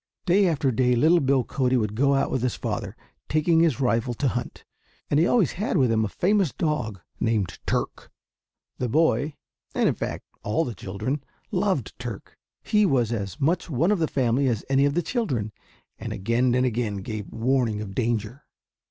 Day after day little Bill Cody would go out with his father, taking his rifle, to hunt, and he always had with him a famous dog named "Turk." The boy, and in fact all the children, loved Turk. He was as much one of the family as any of the children, and again and again gave warning of danger.